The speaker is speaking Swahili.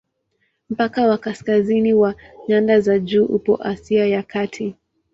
Mpaka wa kaskazini wa nyanda za juu upo Asia ya Kati.